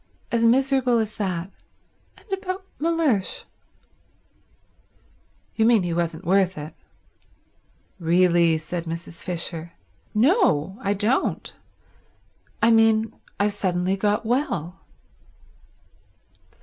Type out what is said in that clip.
As miserable as that. And about Mellersh." "You mean he wasn't worth it." "Really—" said Mrs. Fisher. "No, I don't. I mean I've suddenly got well."